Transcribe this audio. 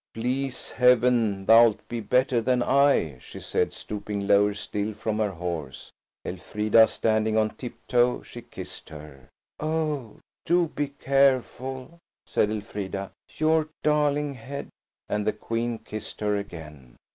"Please Heaven, thou'lt be better than I," she said, stooping lower still from her horse; Elfrida standing on tip toe, she kissed her. "Oh, do be careful," said Elfrida. "Your darling head!" and the Queen kissed her again.